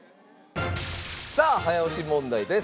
さあ早押し問題です。